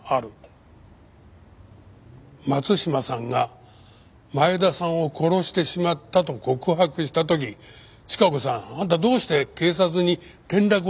松島さんが前田さんを殺してしまったと告白した時チカ子さんあんたどうして警察に連絡をしなかったんです？